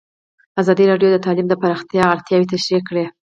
ازادي راډیو د تعلیم د پراختیا اړتیاوې تشریح کړي.